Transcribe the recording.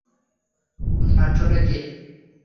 উনি আসলে কে?